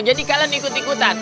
jadi kalian ikutin